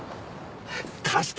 貸して！